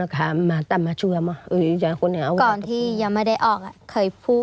คือรู้